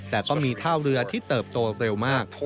แต่ก็มีท่าเรือที่เติบโตเร็วมาก